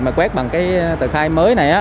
mà quét bằng tờ khai mới này